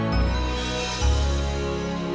mama nggak peduli